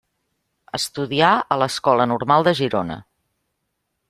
Estudià a l'Escola Normal de Girona.